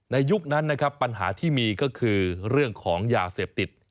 ยุคนั้นนะครับปัญหาที่มีก็คือเรื่องของยาเสพติด